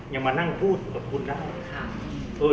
ยังมานั่งพูดกับคุณได้